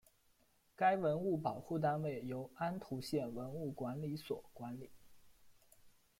该文物保护单位由安图县文物管理所管理。